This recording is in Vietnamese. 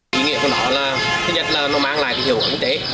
kinh nghiệm của nó là thứ nhất là nó mang lại hiệu quả chế